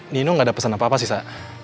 nino gak ada pesan apa apa sih sa